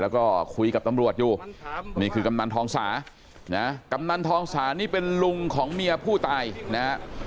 แล้วก็คุยกับตำรวจอยู่นี่คือกำนันทองสานะกำนันทองสานี่เป็นลุงของเมียผู้ตายนะฮะ